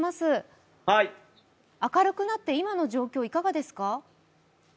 明るくなって今の状況いかがですか。